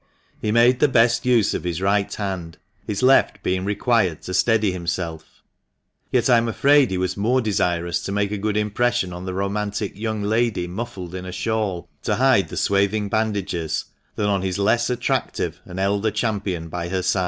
He made the best use of his right hand, his left being required to steady himself, yet I am afraid he was more desirous to make a good impression on the romantic young lady muffled in a shawl — to hide the swathing bandages — than on his less attractive and elder champion by her side.